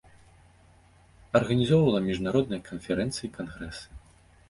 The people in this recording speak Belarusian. Арганізоўвала міжнародныя канферэнцыі і кангрэсы.